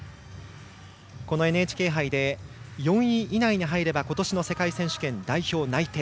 ＮＨＫ杯で、４位以内に入れば今年の世界選手権、代表内定。